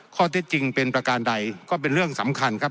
ข้อเท็จจริงเป็นประการใดก็เป็นเรื่องสำคัญครับ